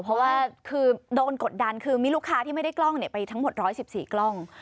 เพราะว่าคือโดนกดดันคือมีลูกค้าที่ไม่ได้กล้องเนี่ยไปทั้งหมดร้อยสิบสี่กล้อง